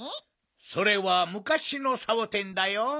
それはむかしのサボテンだよ。